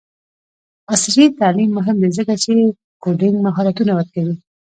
عصري تعلیم مهم دی ځکه چې کوډینګ مهارتونه ورکوي.